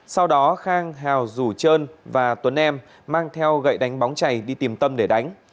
sau đó khang hào rủ trơn và tuấn em mang theo gậy đánh bóng chảy đi tìm tâm để đánh